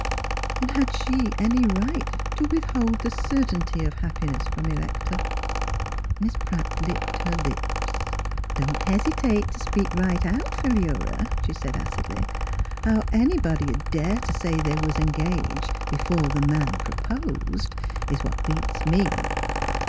And had she any right to withhold the cer tainty of happiness from Electa.? Miss Pratt licked her lips. " Don't hesitate to speak right out, Philura," she said acidly. " How any body'd dare to say they was engaged be fore the man proposed is what beats me."